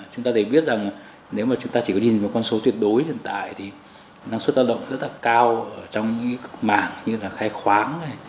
chúng ta phải biết rằng nếu mà chúng ta chỉ có nhìn một con số tuyệt đối hiện tại thì năng suất lao động rất là cao trong mạng như là khai khoáng